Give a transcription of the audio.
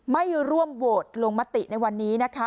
ไม่ร่วมโหวตลงมติในวันนี้นะคะ